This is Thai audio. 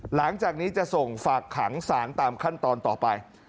หลังจากนี้จะส่งฝากขังสารตามขั้นตอนต่อไป